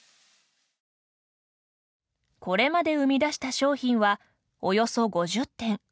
これまで生み出した商品はおよそ５０点